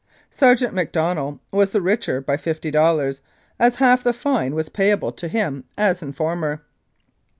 Sergeant Macdonell was the richer by fifty dollars, as half the fine was payable to him as informer.